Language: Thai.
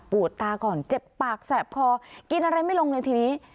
ตาก่อนเจ็บปากแสบคอกินอะไรไม่ลงเลยทีนี้